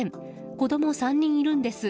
子供３人いるんです。